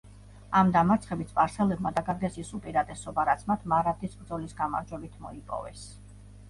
ამ დამარცხებით სპარსელებმა დაკარგეს ის უპირატესობა, რაც მათ მარაბდის ბრძოლის გამარჯვებით მოიპოვეს.